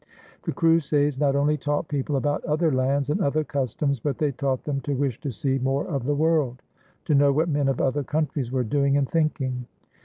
The crusades not only taught people about other lands and other customs, but they taught them to wish to see more of the world, to know what men of other countries were doing and thinking.